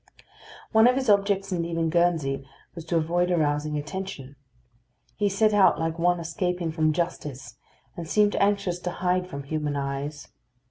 One of his objects in leaving Guernsey was to avoid arousing attention. He set out like one escaping from justice, and seemed anxious to hide from human eyes.